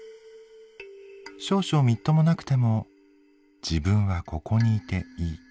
少々みっともなくても自分はここにいていい。